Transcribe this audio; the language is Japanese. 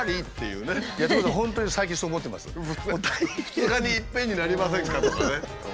「２日にいっぺんになりませんか？」とかね。